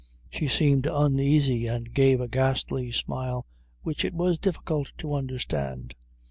She seemed uneasy, and gave a ghastly smile, which it was difficult to understand.